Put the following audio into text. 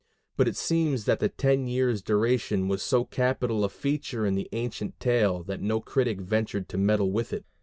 But it seems that the ten years' duration was so capital a feature in the ancient tale that no critic ventured to meddle with it.